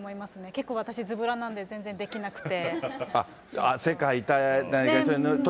結構、私ずぼらなんで、全然できなくて。